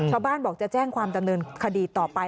ชาวบ้านบอกจะแจ้งความดำเนินคดีต่อไป